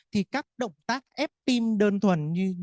thì các động tác ép tim đơn thuần